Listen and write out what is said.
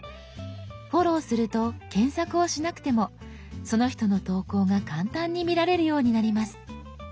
フォローすると検索をしなくてもその人の投稿が簡単に見られるようになります。